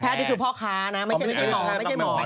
แพทย์ที่คือพ่อค้านะไม่ใช่หมอ